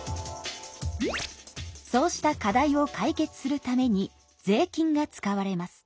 そうした課題を解決するために税金が使われます。